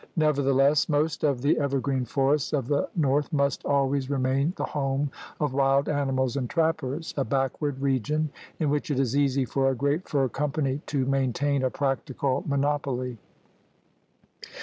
Nevertheless most of the evergreen forests of the north must always remain the home of wild animals and trappers, a backward region in which it is easy for a great fur company to maintain a practical monopoly.